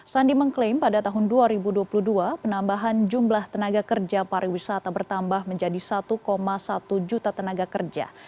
sandi mengklaim pada tahun dua ribu dua puluh dua penambahan jumlah tenaga kerja pariwisata bertambah menjadi satu satu juta tenaga kerja